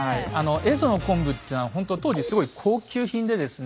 蝦夷の昆布っていうのはほんと当時すごい高級品でですね